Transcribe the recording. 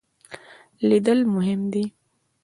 لیدل مهم دی.